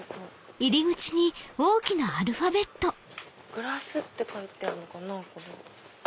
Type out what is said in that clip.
グラスって書いてあるのかな？